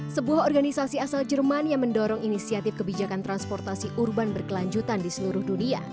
sebuah organisasi asal jerman yang mendorong inisiatif kebijakan transportasi urban berkelanjutan di seluruh dunia